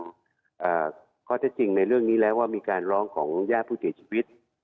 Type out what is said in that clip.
เพราะถ้าจริงในเรื่องนี้แล้วว่ามีการร้องของญาติผู้ถนิตชีวิต